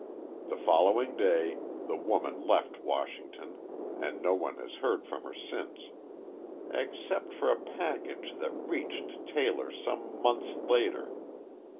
The following day the woman left Washington, and no one has heard from her since except for a package that reached Taylor some months later.